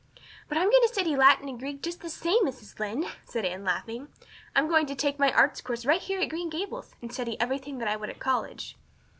"But I'm going to study Latin and Greek just the same, Mrs. Lynde," said Anne laughing. "I'm going to take my Arts course right here at Green Gables, and study everything that I would at college."